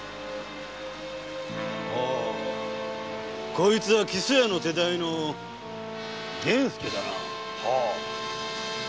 こいつは木曽屋の手代の源助だな。